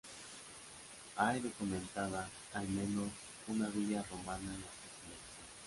Hay documentada, al menos, una villa romana en Las Casillas.